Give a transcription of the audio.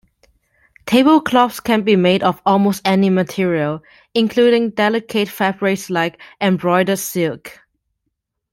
Tablecloths can be made of almost any material, including delicate fabrics like embroidered silk.